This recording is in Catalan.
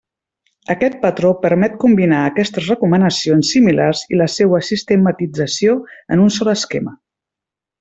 Aquest patró permet combinar aquestes recomanacions similars i la seua sistematització en un sol esquema.